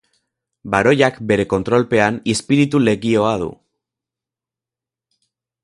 Baroiak bere kontrolpean izpiritu legioa du.